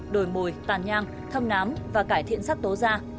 đồi mồi tàn nhang thâm nám và cải thiện sắc tố da